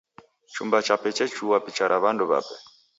Chumba chape chechua picha ra w'andu w'ape.